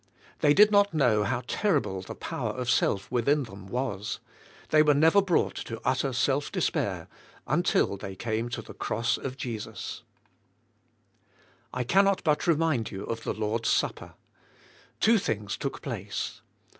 They did not know how terrible the power of self within them was. They were never brought to utter self despair until they came to the cross of Jesus. /S THE SPIRITUAL LIFE. I cannot but remind you of the Lord's Supper. Two things took place.